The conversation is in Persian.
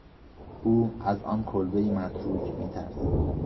او از آن کلبهی متروک میترسد.